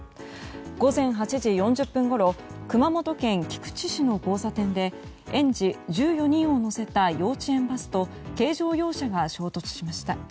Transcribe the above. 午前８時４０分ごろ熊本県菊池市の交差点で園児１４人を乗せた幼稚園バスと軽乗用車が衝突しました。